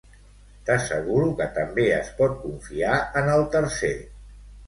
T'asseguro que també es pot confiar en el tercer.